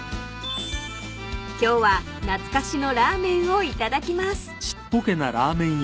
［今日は懐かしのラーメンを頂きます］